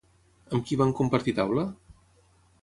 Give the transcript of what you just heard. Amb qui van compartir taula?